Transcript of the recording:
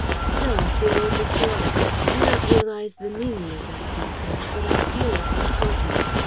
Still, I feel overjoyed. I do not realize the meaning of that detail, but I feel its importance.